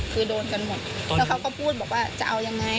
คือโดนกันหมดแล้วเขาก็พูดบอกว่าจะเอายังไง